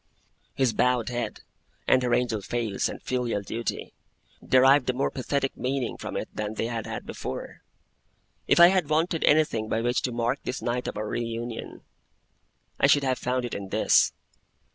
His bowed head, and her angel face and filial duty, derived a more pathetic meaning from it than they had had before. If I had wanted anything by which to mark this night of our re union, I should have found it in this.